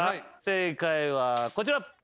正解はこちら。